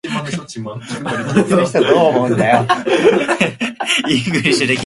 Is there any feature you would like see added to the eArziki marketplace?